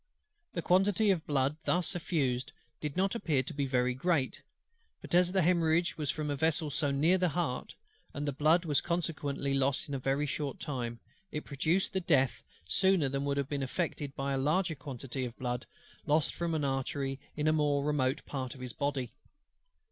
The quantity of blood thus effused did not appear to be very great: but as the hemorrhage was from a vessel so near the heart, and the blood was consequently lost in a very short time, it produced death sooner than would have been effected by a larger quantity of blood lost from an artery in a more remote part of the body.